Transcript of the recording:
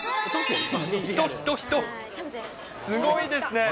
人、人、すごいですね。